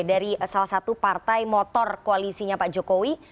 dari salah satu partai motor koalisinya pak jokowi